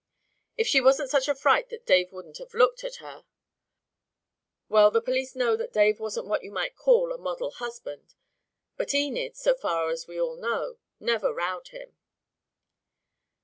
If she wasn't such a fright that Dave wouldn't have looked at her Well, the police know that Dave wasn't what you might call a model husband; but Enid, so far as we all know, never rowed him.